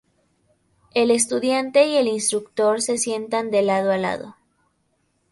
El estudiante y el instructor se sientan de lado a lado.